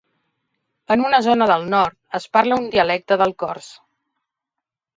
En una zona del nord es parla un dialecte del cors.